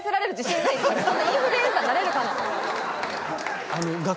インフルエンサーになれるかな？